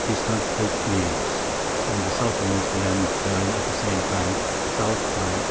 distant 8 Leagues; the Southermost Land bearing at the same Time S. by E.